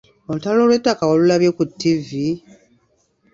Olutalo lw’ettaka walulabye ku ttivvi?